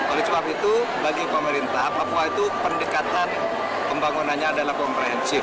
oleh sebab itu bagi pemerintah papua itu pendekatan pembangunannya adalah komprehensif